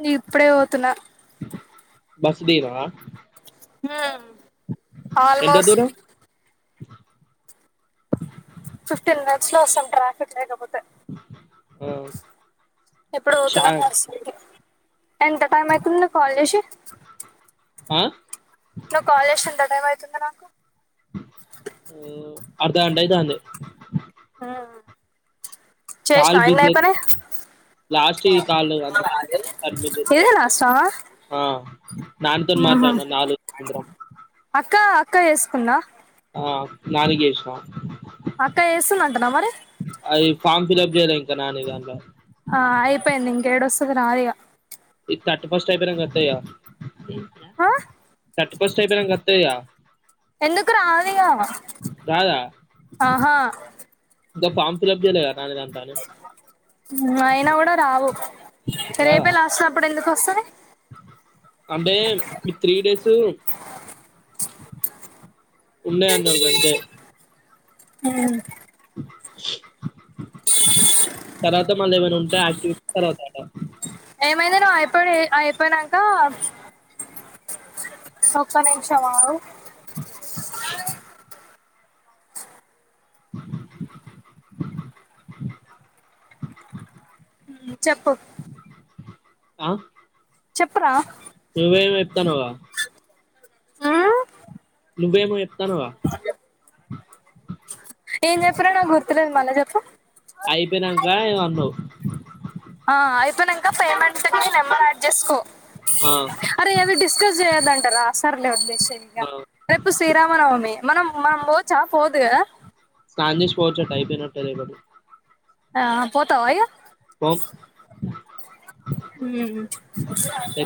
నీ ఇప్పుడే పోతున్నా బస్ దీవా ఎంత ఆల్మోస్ట్ దూరం ఫిఫ్టీన్ మినిట్స్ లో వస్తాం ట్రాఫిక్ లేకపోతే ఆ ఎప్పుడు చా పోతుల ఎంత టైం అవుతుంది కాల్ చేసి ఆ నవ కాలజ్ింత టైమ్ అవుతుంద నా అర్ధగంట అయితాంది ఆ కాల్ బిజి ఎత్ లాస్ట్ ఈ కాల్ ఇదే లాస్టా ఆ [unintelligible] దాన్తోని మాట్లాడన నాలుగు ఇంద్రా క్క ఏస్కున్నా ఆ నాలుగే విష అక్క వేస్తున్నంటునా మరి విజయల ఇంక ననేద ర ఈ థర్టీ ఫస్ట్ టయిపోరంగా వతాయా ఆా అ ఫస్ట్ టైప కతాయయా ఎందుకు రాల రాదా ఆహా ఇ ఫార్ ఫల్ప్లాా అయినా కూడా రావు రాదా రేపే లాస్ట్ అప్పుడు ఎందుకు వ స అంటే మీ త్రీ డేసు ఉన్నే తర్వాత మళ్ళేమైనా ఉంటే యాక్టివిటీ తర్వాత అ ఏమైందే నువ్ అయిపో అయిపోనాంక ఒక్క నిమిషం ఆగు ఉమ్మ్ చెప్పు ఆ చెప్పరా ఏవై వేత్తనావా మ్మ్? నువ్వేమో ఏత్తానవా ఏం చెప్పానో నాకు గుర్తులేదు మళ్ళ చెప్పు అయిపోయినాంక ఏమో అన్నావు కా పేమెంట్ కి నెంబర్ యాడ్ చేసుకో ఆ అరే అవి డిస్కస్ చెయ్య ఆ మనం మాం పోవచ్చా పోవద్దు కదా స్నానం చేసి పోవచ్చట ఐపోయిపోయిందట రేపటి ఆ పోతావా ఇగ పోమ్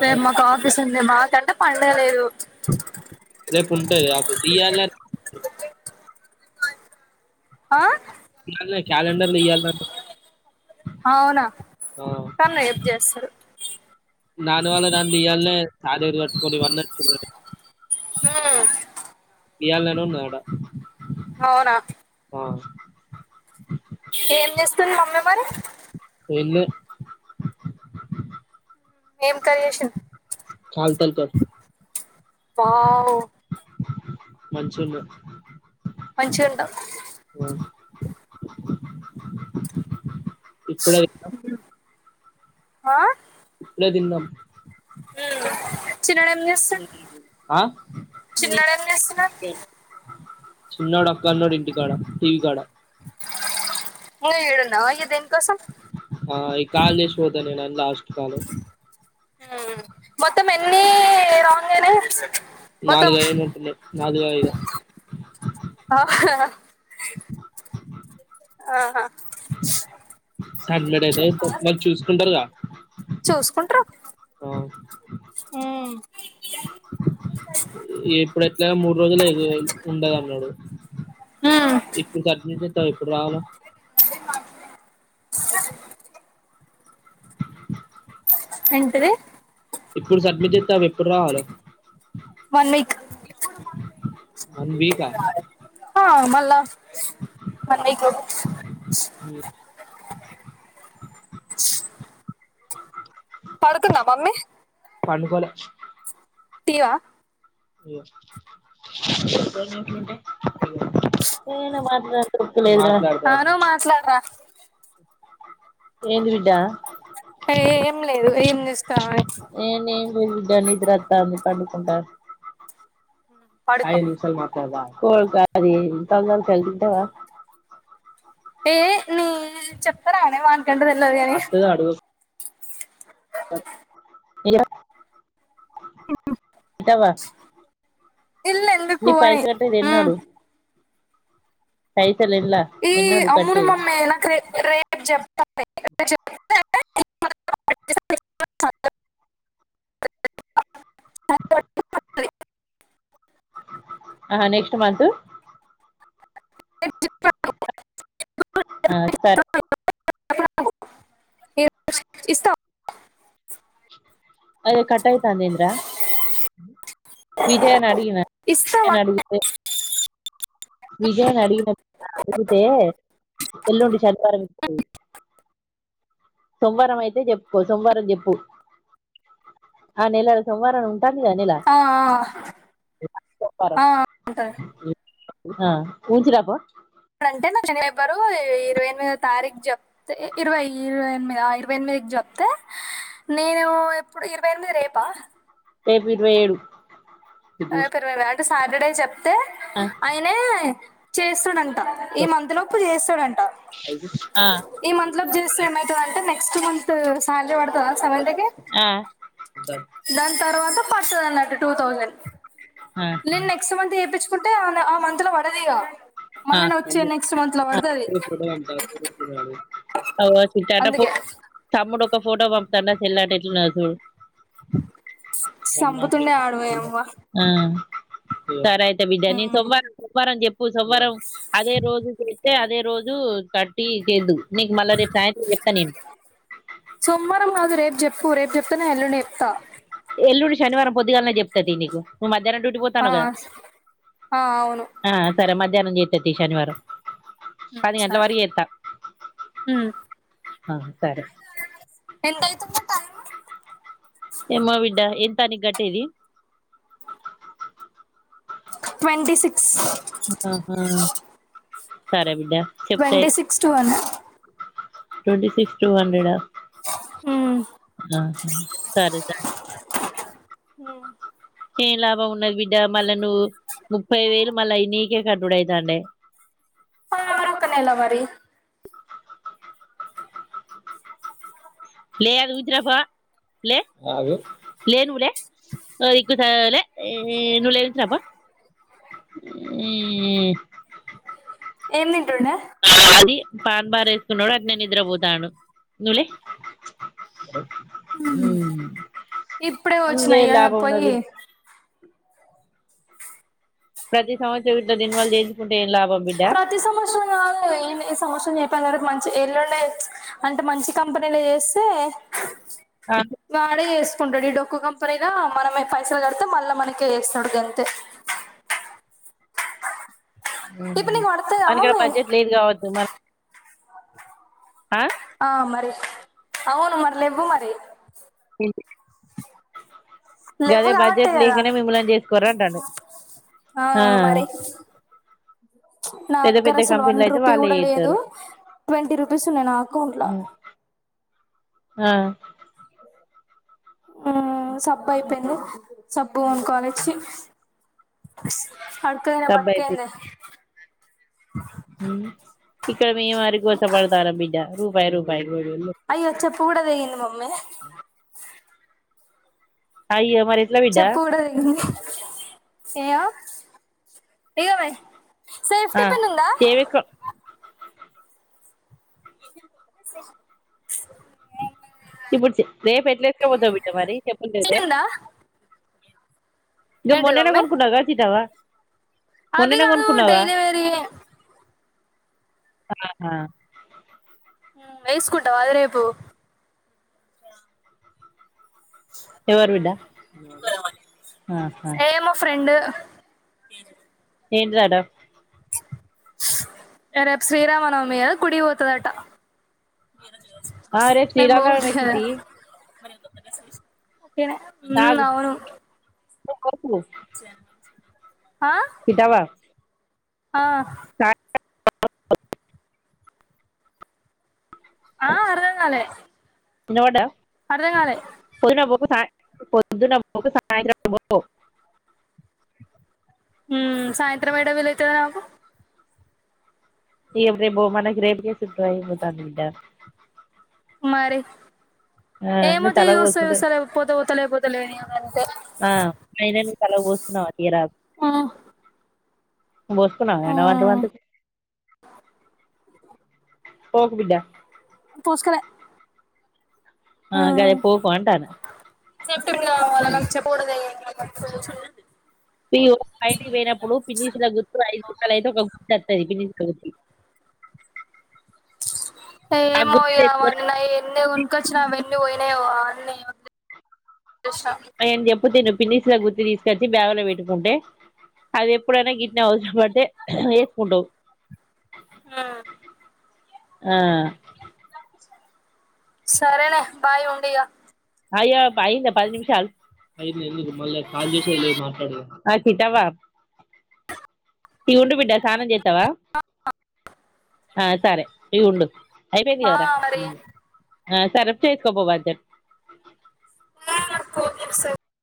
రేపు మాకు ఆఫీస్ ఉంది మాకంటే పండ లేదు రేపు ఉంటది ఆఫీస్ ఇయ్యాలనే ఆ ఇాల క్యాలెండర్ లో ఇయ్యాలి అవునా కాన్నా ఏపు చేస్తారు నను వాళ్ళ దంటిాల సాద పోడి వన్న మ్మ్. ఇల న ఉన్నా అట అవునా ఏం చేస్తుంది మమ్మీ మరి వెన్న ఏం కర్ చేషన్ కాలుతలు కట్ వావ్ మంచిల్లో మంచిషింట ఇప్పుడ హా ఇప్పుడదిన్నం చిన్నోడేం చేస్తుండు చిన్నోడేం చేస్తున్నాడు సున్నాడు అక్క అన్నాడు ఇంటికాడ టీవ కాడ న ఇన్నావుగదేం కాజేశోతానే నన్న లాస్ట్ కాల్ మత్త రాంగ్నే నాలు కాయ మంటన్న నాలు కాయద అ ఆహా సమెట్ అయితే నాకు చూసుకుంటారుద చూసుకుంట్రు ఆ ఇప్పుడ రోజులు ఏదుఉండదు అన్నాడు హ్మ్ ఇప్పుడు కట్ ఇప్పుడు రాల అ ఎంత ఇప్పుడు సబ్మిట్ చేస్తా వన్ వక్ వన్ వీకా మ అలా మన గ పడుతుందాం మమ్మీ పడుగొల తీటీవా అయ్యో ఏ మాత్ర లే ఆ నువ్వు మాట్లాడరా ఏంటి విడా ఏం లేదు ఏం చేస్తామని నిద రాత పడుకుంటారు పడుకో ఐదు నింసాల మా కో కా తలు చలింటవా ఏ నీ చక్కర ఆనే వా ద అని ఇ ఇద్దవా ఇల్లు ఎందుకు నీ పైస అని కట్టేదిన్నాడు సయి ఈ అమ్మును మమ నాకే రేప్ జప్ చె ఆ నెక్స్ట్ మంత్ ఆ సరే స్థా అయ్య కట్యిత అందేంద్ర విజయ అడుగిన విజయ ఇస్తావా అడుగు విజయన్ అడిగిన అడుగితే ఎల్ోంటి శనివారంం సోమవారం అయితే చెప్పుకో సోమవారం చెప్పు ఆ నెలలు సోమవారం ఉ ఆ సోమవారం ఆ ఉంట ఆ ఊించరాపో ఎప్పుడంటే నా జనబరు ఇరవై ఎనిమిదో తారీఖు చెప్తే ఇరవై ఇరవై ఎనిమిది ఇరవై ఎనిమిదికి చెప్తే నేను ఎప్పుడు ఇరవై ఎనిమిది రేపా టేపు ఇరవై ఏడు అ పరు [unintelligible] సాటర్డే చెప్ తె ఆ అయినే చేస్తుడాన్ ఈ మంత్ లోపు చేస్తాడంట ఆ ఈ మంత్ లోపు చేస్తే ఏమయితదంటె నెట్ నెక్స్ట్ మంత్ శాలరీ పడతదా సేవంటికి ఆ దాని తర్వాత పటుదన్నటు టూ తౌసండ్ ఆ ఆ లే నెక్స్ట్ మంత్ చెపిచ్ కుంటే ఆ మంత్ లో పడదిగా మళ్ళీ వచ్చే నెక్స్ట్ మంత్ లో పడుతది అవు చ అందుకే చ [unintelligible] ఫోటో పంపతన్ చెల్లటా ఎట్లునదో చూడు సంపుతుండే ఆడు యవ్వ ఆ సరై చేపిందని సోమవారం సోమవారం చాపి కు సోమవారం అదే రోజు చే అతే అదే రోజు కట్టి చేదు నీకు మళ్ళా రేపు సాయంత్రం చెప్తా నేను సోమవారం కాదు రేపు చెప్పు రేపు చెప్తున్నే ఎల్లుండ చెప్తా ఎల్లుండి శనివారం పొద్దుగానే చెప్త తీ నీకు నువు మార్ మధ్యానం డ్యూటీ ఆ పోతానవ్ కదా ఆ అవును సరె మధ్యానం చేత తి శనివారం పది సరే గంట్లవరకు చేత్త ఆ సరే ఎంతయితుంది టైమ్ ఏమ్మ బిడ్డ ఎ తని గట్టేది ట్వంటి సిక్స్ ఆహా సరేమ ట్వంటీ సిక్స్ టు అన ట్వంటీ సిక్స్ టూ హండ్రెడ్ ఆ హ్మ్ ఆహా సరే థాంక్స్ హ ఏం లాభం ఉన్నది బిడ్డ మళ్ళా నువ్వు ముప్పై వేలు మళ్ళా అయి నీకే కట్టుడు ఐతండే. ఆ మనాకనేనా మరి లే అది ఉంచిరాపో లే లే ను లే లే ఏ నైల్ ఉంచిరాపో ఏంది వదిన అది పాన్ బార్ ఎస్కున్నడు అట్నే నిద్రపోతాండు ను లే ఆ ఇప్పుడే లే వచ్చినయి లాభం ఉన్నది పోయి బిడ్ ప్రతి సంవత్సరం ఇట్ల రినివల్ చేయించు ప్రతి సంవత్సరం కాదు ఈ సంవత్సరం [unintelligible] ఎల్లుండే అంటే మంచి కంపెనీల చేస్తే ఆ వాడే ఎస్ కుండ ఈ డొకు కంపెనీగా మనమే పైసలు కదత్తం మళ్ళా మనకె ఏస్తుాడు గంతే ఇప్పుడు నీకు పడతాయా మన ఇక్కడ మమ్మీ బడ్జెట్ లేదు కావచు మన ఆ మరి అవును మరి లెవ్వు మరి గదే లెవ్వు కాబట్టే బడ్జెట్ కదా లేకనే మిమ్మల్ని చేసుకోర్రు అంటాండు ఆ మరి నా పెద్ద దగ్గర పెద్ద అసలు వన్ కంపెనీలు అయితే రూపీ వాళ్ళే గుడా లేదు. చేత్తారు ట్వంటీ రూపీస్ ఉన్నయి నా అకౌంట్ల ఆ ఆ సబ్బయిపోయింది సబ్బు కాలేజ్ ఫీ బస్ అడుక్క తినే డబ్బయిపో బతుకైంది. ఇక్కడ మేం హరి గోస పడతాన్నం బిడ్డ రూపాయి రూపాయి అయ్యో చెప్పు గూడా తెగింది మమ్మీ అయ్యో మరి ఎట్లా బిడ్డ చెప్పు గుడ తెగింది. ఏమో ఇగోవే ఆ సేఫ్టీ పిన్ ఉందా ఏవేసుకో ఇప్పుడు రేప్ ఎట్ల ఎస్కపోతవ్ బిడ్డ మరి చెప్పులు తెగితే ఉందా గ ఏంటిది మొన్ననే మమ్మీ కొనుక్కునవ్ గా సీటవ్వ అవి కాదు డైలీ వేర్యి ఆ వేస్కుంటావా అది రేపు ఎవరు బిడ్డ ఆహా ఏ మా ఫ్రెండ్ ఏ ఏంటిదడా రేపు శ్రీరామనవమి కుడిపోఊతుదాటా ఆ రేపు శీరాన వంచిటీ ఏ ఉ అవును క [inaudible] కితవా ఆ స ఆ అరగంగాల నోడా అర్ధం కాలే పొద్దు పోకు సాయంత్ర పో మ్ సాయంత్రం ఏడ విల్ [unintelligible] ఇప్పుే బ మనకి రేపు తా కు మరి నువ్వు ఏమతే తలకు పోసుకుంటే ూస ూసలే పోత పోతలే పోతలే ఆ అ చాల బోస్తున్నావి రా ఆ బస్కున్నా ఆ ఎన మాధవధ పోగబడా పూసుకలే ఆ గదే పోకు అంటానా సెప్టెం పోడుద అ చ మీ బయటకి పోయినప్పుడు పిన్నిసిన గుర్తు ఐదు కుట్టలు అయితే ఒక గు సది ఏమయావన్న నా ఎన్ని ఉనుకొచ్చినవన్నీ పోయినా అ అ చెపోతేను పినిస్లా గుతురి తీకచ్చి బ్యాగ్ లో పెట్టుకుంటే అది ఎప్పుడైనా గిట్న అవసరం పడితే వేసుకుంటావు ఆ ఆ సరేనే బాయ్ ఉండగా అయ్యా అయిందా పది నిమిషాలు అయింది ఎందుకు మళ్ళ కాల్ చేసేదిట్ కితవా ఈ ఉండి బిడ్డ స్ాన జతవా సరే అయ ఉం అయిపొయింది ఆ కదరా మరి ఆ సరఫ చేసుకోబో వర్ధన్ [unintelligible]